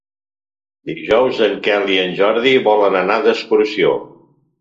Dijous en Quel i en Jordi volen anar d'excursió.